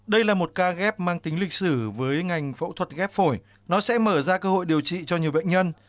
đây là một ca ghép mang tính lịch sử với ngành phẫu thuật ghép phổi nó sẽ mở ra cơ hội điều trị cho nhiều bệnh nhân